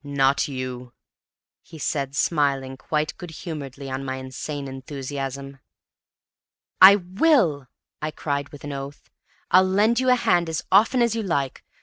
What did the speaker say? "Not you," he said, smiling quite good humoredly on my insane enthusiasm. "I will," I cried with an oath. "I'll lend you a hand as often as you like!